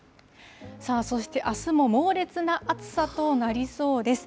さあそして、あすも猛烈な暑さとなりそうです。